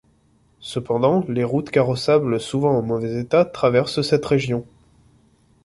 Cependant, les routes carrossables souvent en mauvais état traversent cette région.